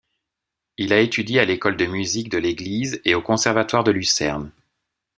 Il a étudié à l'École de musique de l'église et au Conservatoire de Lucerne.